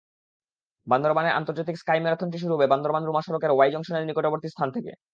বান্দরবানে আন্তর্জাতিক স্কাই ম্যারাথনটি শুরু হবে বান্দরবান-রুমা সড়কের ওয়াই জংশনের নিকটবর্তী স্থান থেকে।